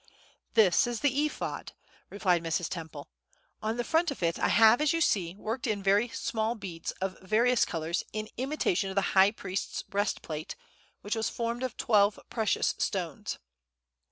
"This is the Ephod," replied Mrs. Temple. "On the front of it I have, as you see, worked in very small beads of various colors an imitation of the high priest's breastplate, which was formed of twelve precious stones."